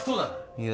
いや